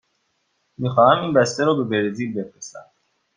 می خواهم این بسته را به برزیل بفرستم.